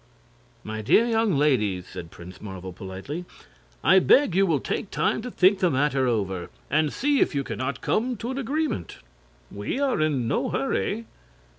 "My dear young ladies," said Prince Marvel, politely, "I beg you will take time to think the matter over, and see if you can not come to an agreement. We are in no hurry."